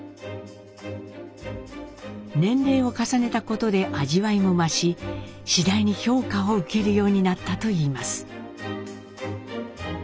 年齢を重ねたことで味わいも増し次第に評価を受けるようになったといいます。